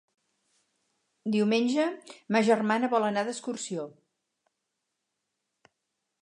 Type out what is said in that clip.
Diumenge ma germana vol anar d'excursió.